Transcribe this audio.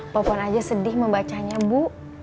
papan aja sedih membacanya bu